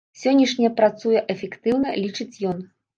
Сённяшняе працуе эфектыўна, лічыць ён.